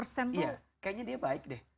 kayaknya dia baik deh